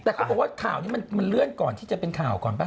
แต่เขาบอกว่าข่าวนี้มันเลื่อนก่อนที่จะเป็นข่าวก่อนป่